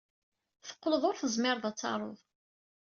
Teqqled ur tezmired ad tarud.